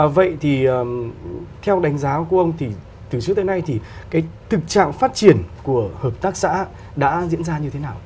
vậy thì theo đánh giá của ông thì từ trước tới nay thì cái thực trạng phát triển của hợp tác xã đã diễn ra như thế nào